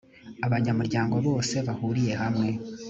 abanyamuryango bose bahuriye hamwe `